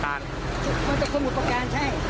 ที่นี่มาจากคนความอุตการใช่